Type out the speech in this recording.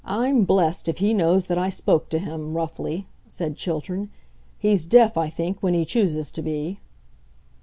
"I'm blessed if he knows that I spoke to him, roughly," said Chiltern. "He's deaf, I think, when he chooses to be."